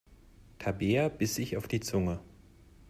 Tabea biss sich auf die Zunge.